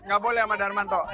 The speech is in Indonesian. gak boleh sama darmanto